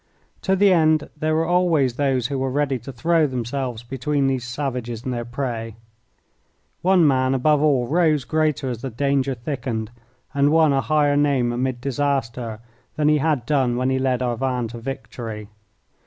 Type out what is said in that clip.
To the end there were always those who were ready to throw themselves between these savages and their prey. One man above all rose greater as the danger thickened, and won a higher name amid disaster than he had done when he led our van to victory.